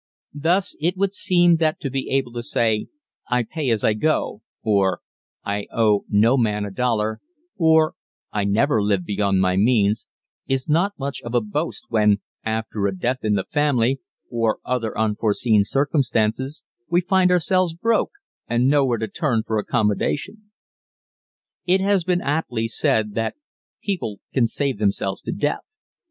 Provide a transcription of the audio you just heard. Thus it would seem that to be able to say: "I pay as I go," or, "I owe no man a dollar," or, "I never live beyond my means" is not much of a boast, when, after a death in the family, or other unforeseen circumstances, we find ourselves broke and nowhere to turn for accommodation. It has been aptly said that "_People can save themselves to death.